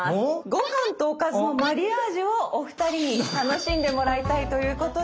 ご飯とおかずのマリアージュをお二人に楽しんでもらいたいということで。